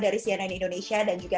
dari cnn indonesia dan juga